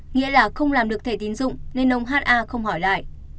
nghĩa là không làm được thẻ tiến dụng nên ông ha không hỏi lại